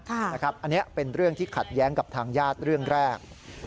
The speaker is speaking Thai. อันนี้เป็นเรื่องที่ขัดแย้งกับทางญาติเรื่องแรก